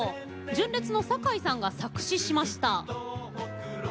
純烈の酒井さんが作詞しました。